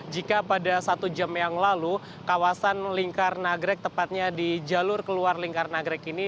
jika pada satu jam yang lalu kawasan lingkaranagrek tepatnya di jalur keluar lingkaranagrek ini